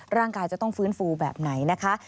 ร่างกายจะต้องฟื้นฟูแบบไหนนะคะ